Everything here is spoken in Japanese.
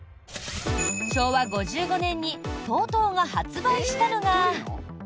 昭和５５年にＴＯＴＯが発売したのが。